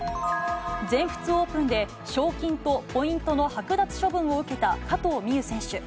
全仏オープンで、賞金とポイントの剥奪処分を受けた加藤未唯選手。